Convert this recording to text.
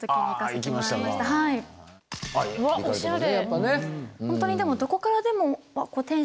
わおしゃれ。